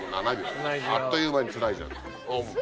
あっという間につないじゃう。